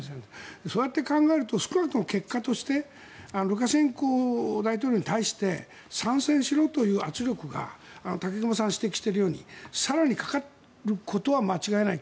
そうやって考えると少なくとも結果としてルカシェンコ大統領に対して参戦しろという圧力が武隈さんが指摘しているように更にかかることは間違いない。